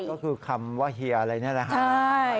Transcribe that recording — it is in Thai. ก็คือคำว่าเฮียอะไรนี่แหละครับ